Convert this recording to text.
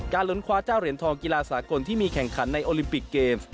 ล้นคว้าเจ้าเหรียญทองกีฬาสากลที่มีแข่งขันในโอลิมปิกเกมส์